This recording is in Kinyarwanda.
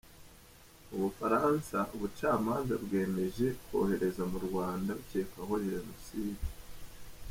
U Bufaransa Ubucamanza bwemeje kohereza mu Rwanda ukekwaho jenoside